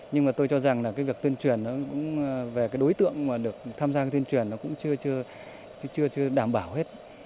nhưng mà tôi cho rằng việc tuyên truyền về đối tượng được tham gia tuyên truyền cũng chưa đảm bảo hết